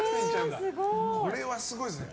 それはすごいですね。